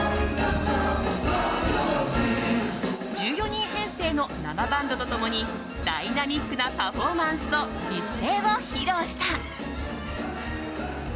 １４人編成の生バンドと共にダイナミックなパフォーマンスと美声を披露した。